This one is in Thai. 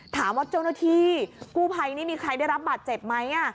ถามว่าเจ้าหน้าที่กู้ภัยนี่มีใครได้รับบาดเจ็บไหม